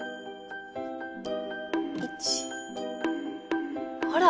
１ほら！